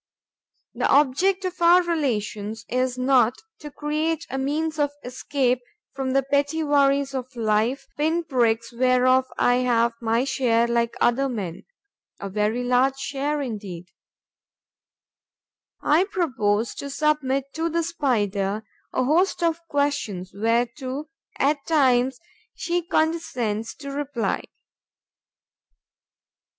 The object of our relations is not to create a means of escape from the petty worries of life, pin pricks whereof I have my share like other men, a very large share, indeed; I propose to submit to the Spider a host of questions whereto, at times, she condescends to reply.